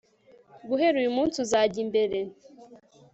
guhera uyu munsi uzajya imbere